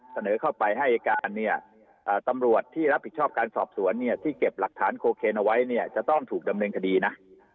เสนอเข้าไปให้การเนี่ยตำรวจที่รับผิดชอบการสอบสวนเนี่ยที่เก็บหลักฐานโคเคนเอาไว้เนี่ยจะต้องถูกดำเนินคดีนะ